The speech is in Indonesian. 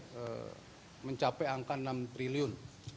yang mencapai angka enam triliun